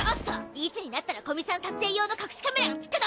いつになったら古見さん撮影用の隠しカメラがつくの！？